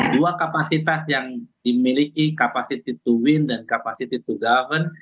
dua kapasitas yang dimiliki capacity to win dan capacity to govern